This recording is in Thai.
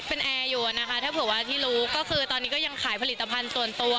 เป็นแอร์อยู่อะนะคะถ้าเผื่อว่าที่รู้ก็คือตอนนี้ก็ยังขายผลิตภัณฑ์ส่วนตัว